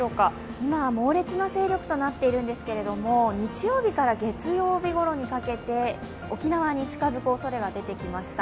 今、猛烈な勢力となっているんですが、日曜日から月曜日ごろにかけて沖縄に近づくおそれが出てきました。